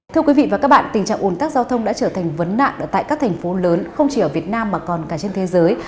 thưa quý vị và các bạn tình trạng ồn tắc giao thông đã trở thành vấn nạn tại các thành phố lớn không chỉ ở việt nam mà còn cả trên thế giới